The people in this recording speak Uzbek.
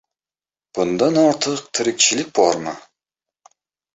— Bundan ortiq tirikchilik bormi?